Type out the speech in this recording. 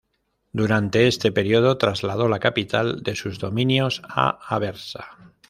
Durante este período trasladó la capital de sus dominios a Aversa.